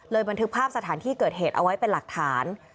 บันทึกภาพสถานที่เกิดเหตุเอาไว้เป็นหลักฐาน